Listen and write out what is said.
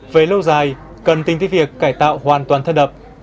về lâu dài cần tính tới việc cải tạo hoàn toàn thân đập